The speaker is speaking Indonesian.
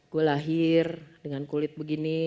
gue lahir dengan kulit begini